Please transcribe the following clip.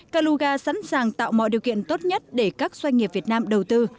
kaluga sẵn sàng tạo mọi điều kiện tốt nhất để các doanh nghiệp việt nam đầu tư